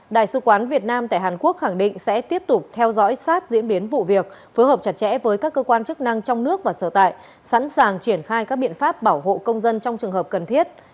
đại sứ quán việt nam tại hàn quốc khẳng định sẽ tiếp tục theo dõi sát diễn biến vụ việc phối hợp chặt chẽ với các cơ quan chức năng trong nước và sở tại sẵn sàng triển khai các biện pháp bảo hộ công dân trong trường hợp cần thiết